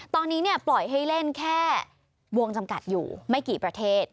ตอนนี้ปล่อยให้เล่นแค่วงจำกัดอยู่ไม่กี่ประเทศ